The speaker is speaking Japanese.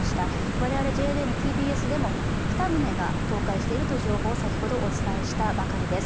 我々ＪＮＮ、ＴＢＳでも２棟が倒壊しているという情報を先ほどお伝えしたばかりです。